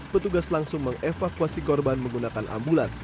petugas langsung mengevakuasi korban menggunakan ambulans